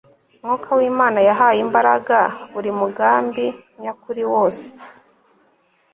mwuka w'imana yahaye imbaraga buri mugambi nyakuri wose